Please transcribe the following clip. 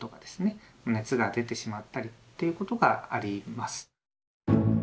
熱が出てしまったりということがあります。